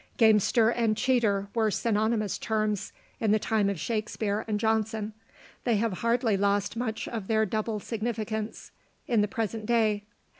Gamester and cheater were synonymous terms in the time of Shakspeare and Jonson: they have hardly lost much of their double signification in the present day.